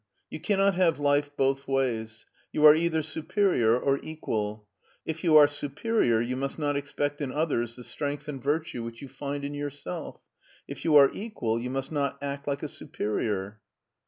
You cannot have life both ways. You are either superior or equal. If you are superior you must not expect in others the strength and virtue which you find in yourself; if you are equal you must not act like a superior.'